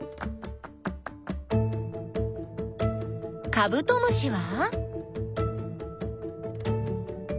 カブトムシは？